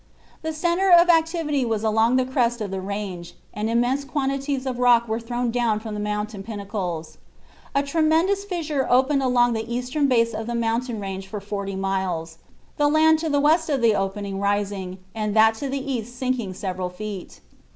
The centre of activity was along the crest of the range, and immense quantities of rock were thrown down from the mountain pinnacles. A tremendous fissure opened along the eastern base of the mountain range for forty miles, the land to the west of the opening rising and that to the east sinking several feet.